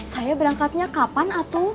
saya berangkatnya kapan atu